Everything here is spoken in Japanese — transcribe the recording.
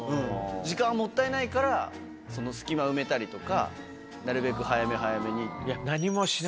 時間もったいないから隙間埋めたりとかなるべく早め早めに。